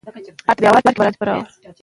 دا ژورنال د کیفیت ساتنه کوي.